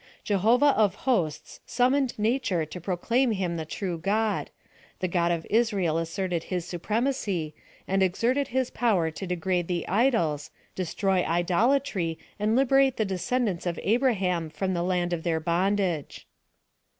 Jehovah of Hosts siinimonecl Nature to proclaim him the true God — the God of Israel asserted his supremacy, and exerted his power to degrade the idols — destroy idolatry, and liberate the descendants of Abraham from the land of then bondage.